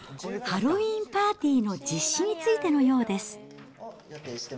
ハロウィーンパーティーの実施についてのようです。